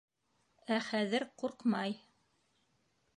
Ә хәҙер ҡурҡмай.